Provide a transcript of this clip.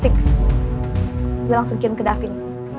fix lui langsung kirim ke davin